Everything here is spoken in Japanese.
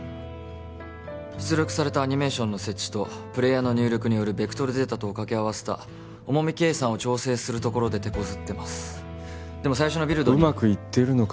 出力されたアニメーションの接地とプレイヤーの入力によるベクトルデータとを掛け合わせた重み計算を調整するところでてこずってますでも最初のビルドにうまくいっているのか？